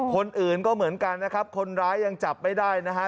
คนอื่นก็เหมือนกันนะครับคนร้ายยังจับไม่ได้นะฮะ